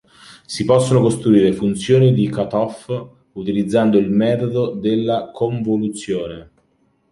Si possono costruire funzioni di cutoff utilizzando il metodo della convoluzione.